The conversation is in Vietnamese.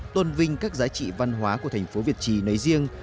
tôn vinh các giá trị văn hóa của thành phố việt trì nơi riêng